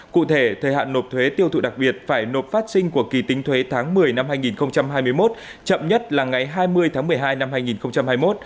cụ thể thời hạn nộp thuế tiêu thụ đặc biệt phải nộp phát sinh của kỳ tính thuế tháng một mươi năm hai nghìn hai mươi một chậm nhất là ngày hai mươi tháng một mươi hai năm hai nghìn hai mươi một